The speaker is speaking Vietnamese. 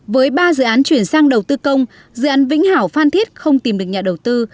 với ba dự án chuyển sang đầu tư công dự án vĩnh hảo phan thiết không tìm được nhà đầu tư